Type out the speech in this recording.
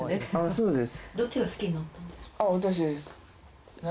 そうです。